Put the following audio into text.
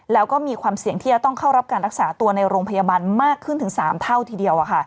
แล้วก็มีความเสี่ยงที่จะต้องเข้ารับการรักษาตัวในโรงพยาบาลมากขึ้นถึง๓เท่าทีเดียว